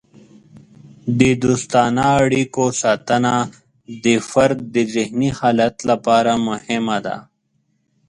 د دوستانه اړیکو ساتنه د فرد د ذهني حالت لپاره مهمه ده.